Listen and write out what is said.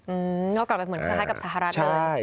นอกกลับไปเหมือนคล้ายกับสหรัฐเลย